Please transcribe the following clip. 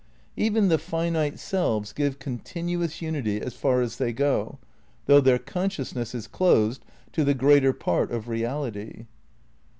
Even the finite selves give continuous unity as far' as they go, though their consciousness is closed to the greater part of reality.